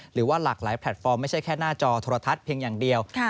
หรือว่าหลากหลายแพลตฟอร์มไม่ใช่แค่หน้าจอโทรทัศน์เพียงอย่างเดียว